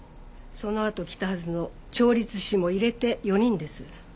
そのあと来たはずの調律師も入れて４人です。